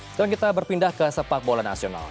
sekarang kita berpindah ke sepak bola nasional